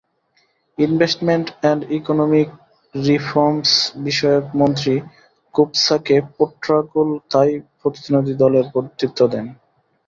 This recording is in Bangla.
ইনভেস্টমেন্ট অ্যান্ড ইকোনমিক রিফর্মসবিষয়ক মন্ত্রী কোবসাক পোট্রাকুল থাই প্রতিনিধিদলের নেতৃত্ব দেন।